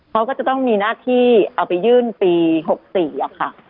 เขาก็จะต้องมีหน้าที่เอาไปยื่นปี๖๔ค่ะ